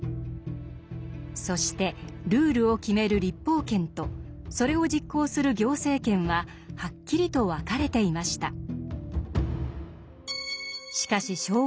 そしてルールを決める立法権とそれを実行する行政権ははっきりと分かれていました。